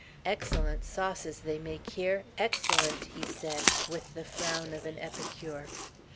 "Excellent sauces they make here excellent," he said, with the frown of an epicure.